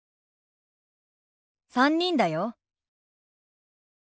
３人だよ。